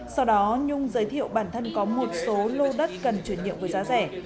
sau đó nhung giới thiệu bản thân có một số lô đất cần chuyển nhượng với giá rẻ